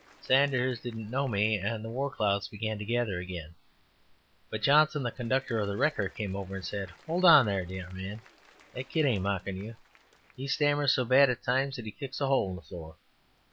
Sanders didn't know me and the war clouds began to gather again; but Johnson, the conductor of the wrecker, came over and said, "Hold on there, De Armand, that kid ain't mocking you; he stammers so bad at times that he kicks a hole in the floor.